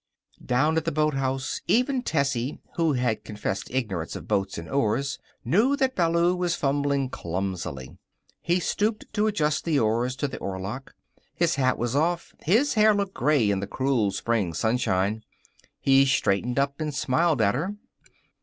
Down at the boathouse even Tessie, who had confessed ignorance of boats and oars, knew that Ballou was fumbling clumsily. He stooped to adjust the oars to the oarlocks. His hat was off. His hair looked very gray in the cruel spring sunshine. He straightened and smiled up at her.